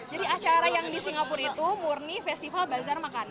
jadi acara yang di singapura itu murni festival bazar makanan